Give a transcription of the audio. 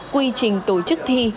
quy trình tổ chức thi